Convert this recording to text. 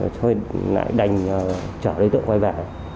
tôi lại đành chở đối tượng quay về